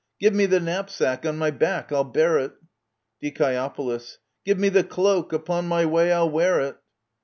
Give me the knapsack — on my back I'll bear it ! Die. Give me the cloak ; upon my way I'll wear it